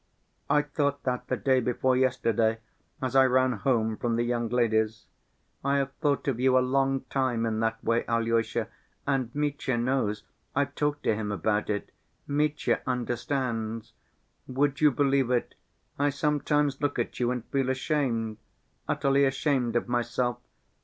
I thought that the day before yesterday, as I ran home from the young lady's. I have thought of you a long time in that way, Alyosha, and Mitya knows, I've talked to him about it. Mitya understands. Would you believe it, I sometimes look at you and feel ashamed, utterly ashamed of myself....